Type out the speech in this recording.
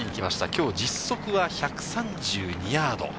きょう実測は１３２ヤード。